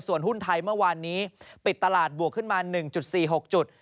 ส่วนหุ้นไทยเมื่อวานนี้ปิดตลาดบวกขึ้นมา๑๔๖จุด